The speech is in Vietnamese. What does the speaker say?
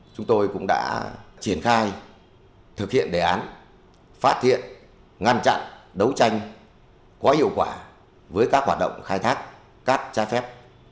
chúng tôi cũng đã triển khai thực hiện đề án phát hiện ngăn chặn đấu tranh có hiệu quả với các hoạt động khai thác cát trái phép